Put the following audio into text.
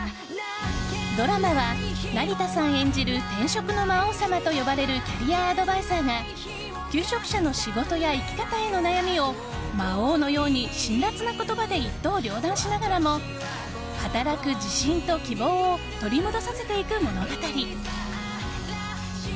ドラマは、成田さん演じる転職の魔王様と呼ばれるキャリアアドバイザーが求職者の仕事や生き方への悩みを魔王のように辛辣な言葉で一刀両断しながらも働く自信と希望を取り戻させていく物語。